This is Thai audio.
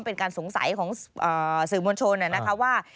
เป็นการสงสัยของสื่อมวลชนนะคะว่า